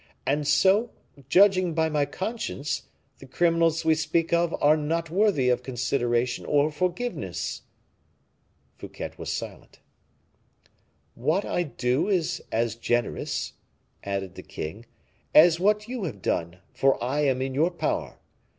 And so, judging by my conscience, the criminals we speak of are not worthy of consideration or forgiveness." Fouquet was silent. "What I do is as generous," added the king, "as what you have done, for I am in your power.